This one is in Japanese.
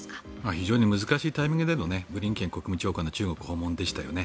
非常に難しいタイミングでのブリンケン国務長官の中国訪問でしたよね。